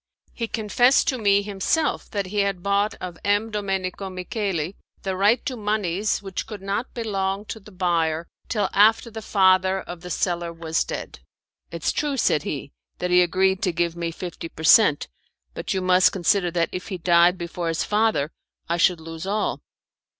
He confessed to me himself that he had bought of M. Domenico Micheli the right to moneys which could not belong to the buyer till after the father of the seller was dead. "It's true," said he, "that he agreed to give me fifty per cent., but you must consider that if he died before his father I should lose all."